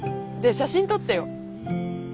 で写真撮ってよ。